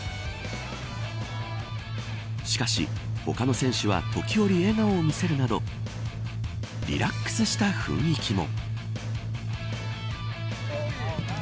しかし他の選手は時折笑顔を見せるなどリラックスした雰囲気も。